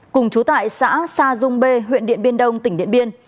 cùng chú tại xã sa dung bê huyện điện biên đông tỉnh điện biên